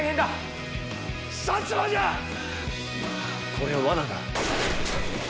これは罠だ。